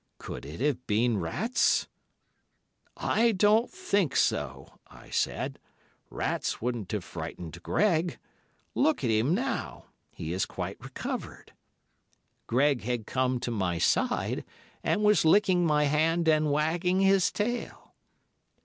Could it have been rats?' "'I don't think so,' I said; 'rats wouldn't have frightened Greg. Look at him now; he has quite recovered.' Greg had come to my side and was licking my hand and wagging his tail.